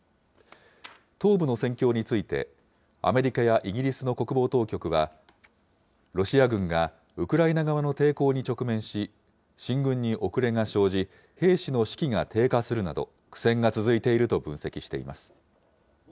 東部の戦況について、アメリカやイギリスの国防当局は、ロシア軍がウクライナ側の抵抗に直面し、進軍に遅れが生じ、兵士の士気が低下するなど、苦戦が続いていると分析しています。